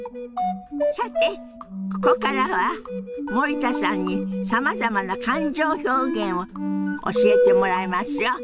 さてここからは森田さんにさまざまな感情表現を教えてもらいますよ。